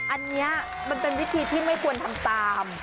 อันนี้มันเป็นวิธีที่ไม่ควรทำตาม